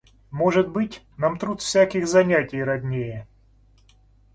Может быть, нам труд всяких занятий роднее.